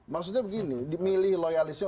maksudnya begini dimilih loyalisnya